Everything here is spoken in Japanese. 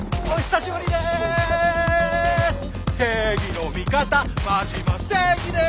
お久しぶりです。